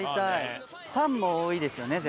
ファンも多いですよね絶対。